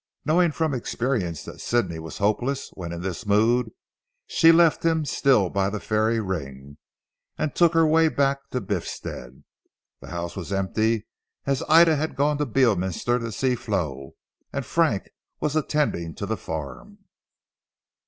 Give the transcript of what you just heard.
Knowing from experience that Sidney was hopeless when in this mood, she left him still by the fairy ring, and took her way back to Biffstead. The house was empty, as Ida had gone to Beorminster to see Flo, and Frank was attending to the farm.